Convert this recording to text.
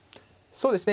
そうですね